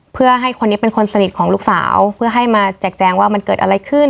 เพื่อให้คนนี้เป็นคนสนิทของลูกสาวเพื่อให้มาแจกแจงว่ามันเกิดอะไรขึ้น